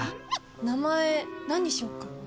名前何にしようか？